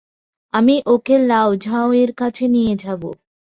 আমি ওকে লাও ঝাঁওয়ের কাছে নিয়ে যাবো।